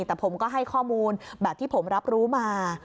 แต่ผมก็ให้ข้อมูลแบบที่ผมรับรู้มา